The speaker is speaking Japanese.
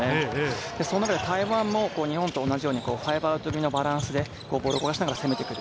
その中で台湾も日本と同じようにファイブアウト気味のバランスでボールを回しながら攻める。